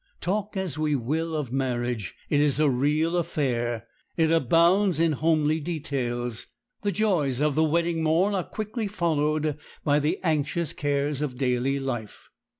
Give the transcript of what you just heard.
Talk as we will of marriage, it is a real affair—it abounds in homely details. The joys of the wedding morn are quickly followed by the anxious cares of daily life.